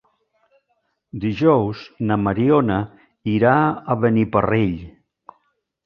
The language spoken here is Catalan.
Dijous na Mariona irà a Beniparrell.